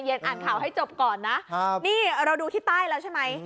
อ่านข่าวให้จบก่อนนะนี่เราดูที่ใต้แล้วใช่ไหม